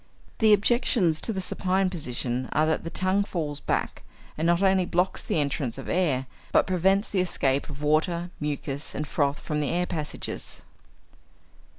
The objections to the supine position are that the tongue falls back, and not only blocks the entrance of air, but prevents the escape of water, mucus, and froth from the air passages.